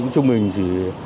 chúng mình chỉ